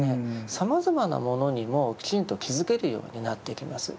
さまざまなものにもきちんと気づけるようになってきます。